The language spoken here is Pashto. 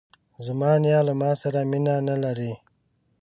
زما نیا له ماسره مینه نه لري.